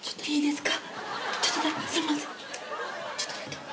いいですか？